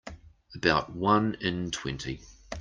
About one in twenty.